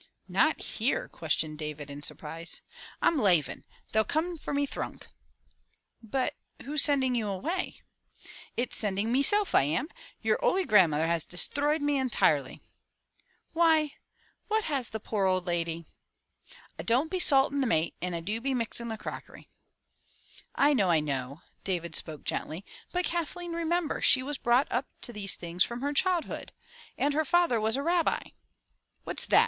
"Not here?" questioned David in surprise. " I'm lavin'. They'll come for me thrunk." "But who's sending you away?" "It's sending meself I am. Yer houly grandmother has me disthroyed intirely." "Why, what has the poor old lady —" "I don't be saltin' the mate and I do be mixin' the crockery —" "I know, I know," David spoke gently, "but Kathleen, remember, she was brought up to these things from her childhood. And a Rabbi." "What's that?"